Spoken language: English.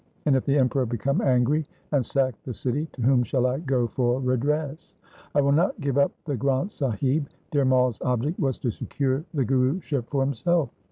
And if the Emperor become angry and sack the city, to whom shall I go for redress ? I will not give up the Granth Sahib.' Dhir Mai's object was to secure the Guruship for himself.